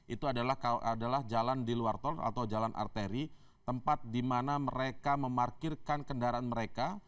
itu adalah jalan di luar tol atau jalan arteri tempat di mana mereka memarkirkan kendaraan mereka